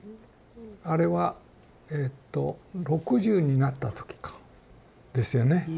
あれはえと６０になった時か。ですよね？